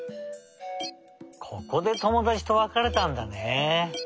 ここでともだちとわかれたんだね。